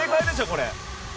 これ。